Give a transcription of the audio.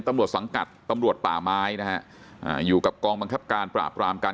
ตำรวจสังกัดตำรวจป่าไม้นะฮะอ่าอยู่กับกองบังคับการปราบรามการ